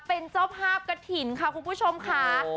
เป็นเจ้าภาพกระถิ่นค่ะคุณผู้ชมค่ะ